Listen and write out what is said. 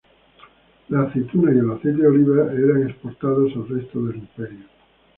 Las aceitunas y el aceite de oliva eran exportados al resto del imperio.